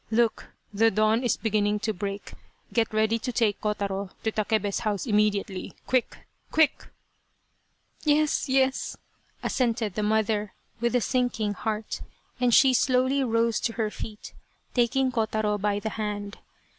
Look, the dawn is beginning to break. Get ready to take Kotaro to Takebe's house immediately. Quick, quick !"" Yes, yes," assented the mother, with a sinking N 193 Loyal, Even Unto Death heart, and she slowly rose to her feet, taking Kotaro by the hand.